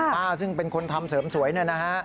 ป้าซึ่งเป็นคนทำเสริมสวยนะนะฮะ